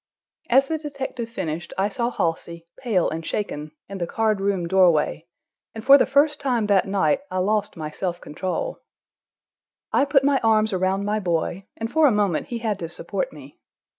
As the detective finished, I saw Halsey, pale and shaken, in the card room doorway, and for the first time that night I lost my self control. I put my arms around my boy, and for a moment he had to support me.